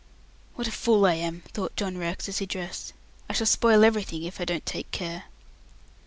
"What a fool I am," thought John Rex, as he dressed. "I shall spoil everything if I don't take care."